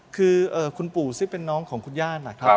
คือเอ่อคุณปู่ซี่เป็นน้องของคุณย่านครับครับ